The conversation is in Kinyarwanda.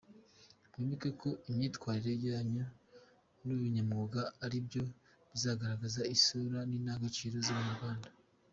Mwibuke ko imyitwarire yanyu n’ubunyamwuga aribyo bizagaragaza isura n’indangagaciro z’abanyarwanda.